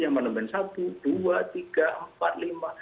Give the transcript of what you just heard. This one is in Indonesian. yang amendemen satu dua tiga empat lima